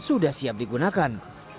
sudah siap digunakan